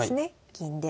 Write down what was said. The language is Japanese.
銀で。